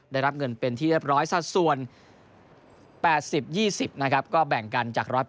ได้รับเงินเป็นที่เรียบร้อยสัดส่วน๘๐๒๐นะครับก็แบ่งกันจาก๑๐๐